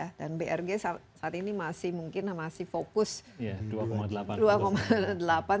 ada lima belas juta hektare ya kita dan brg saat ini masih fokus dua delapan juta hektare